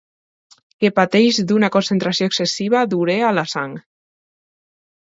Que pateix d'una concentració excessiva d'urea a la sang.